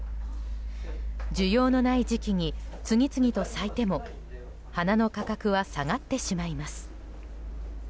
需要のない時期に次々と咲いても花の価格は下がってしまいます。